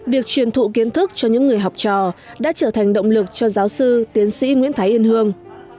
việc truyền thụ kiến thức cho những người học trò đã trở thành động lực cho giáo sư tiến sĩ nguyễn thái yên hương